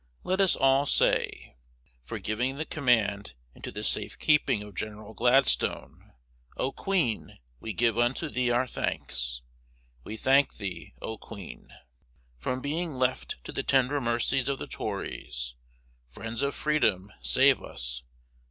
Let us all say, For giving the command into the safe keeping of General Gladstone, oh, Queen, we give unto thee our thanks. We thank thee, oh, Queen. From being left to the tender mercies of the Tories. Friends of Freedom save us.